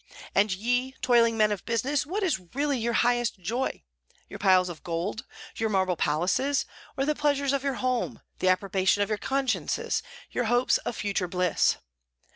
And ye, toiling men of business, what is really your highest joy, your piles of gold, your marble palaces; or the pleasures of your homes, the approbation of your consciences, your hopes of future bliss?